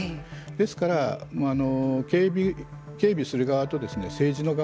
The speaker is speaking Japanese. ですから警備する側と政治の側